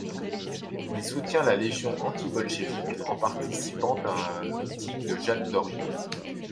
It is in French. Il soutient la Légion antibolchévique en participant à un meeting de Jacques Doriot.